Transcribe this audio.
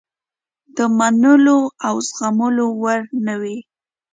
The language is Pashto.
د منلو او زغملو وړ نه وه.